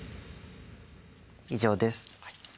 以上です。